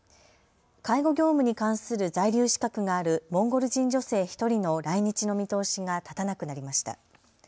介護業務に関する在留資格があるモンゴル人女性１人の来日の見通しが立たなくなりました。